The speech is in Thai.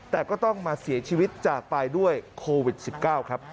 แต่ก็ต้องมาเสียชีวิตจากไปด้วยโควิด๑๙ครับ